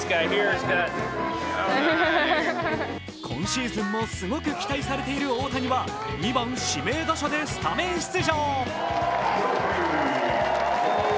今シーズンもすごく期待されている大谷は２番、指名打者でスタメン出場。